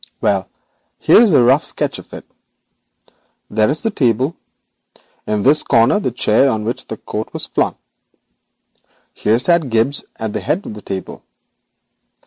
Well, here is a rough sketch of it. There is the table; in this corner stood the chair on which the coat was flung. Here sat Gibbes at the head of the table.